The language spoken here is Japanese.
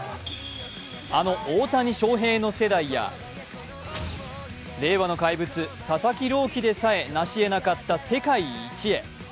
あの大谷翔平の世代や令和の怪物、佐々木朗希でさえなしえなかった世界一へ。